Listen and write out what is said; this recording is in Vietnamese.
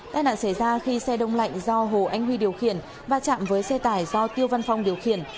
tai nạn xảy ra khi xe đông lạnh do hồ anh huy điều khiển và chạm với xe tải do tiêu văn phong điều khiển